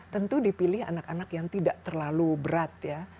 tentu dipilih anak anak yang tidak terlalu berat ya